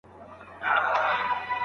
درنښت وکړئ.